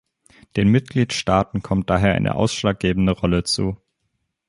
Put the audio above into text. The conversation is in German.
Den Mitgliedstaaten kommt daher eine ausschlaggebende Rolle zu.